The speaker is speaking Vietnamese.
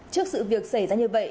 trước sự việc xảy ra như vậy